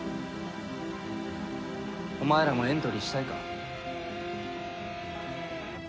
お前らもエントリーしたいか？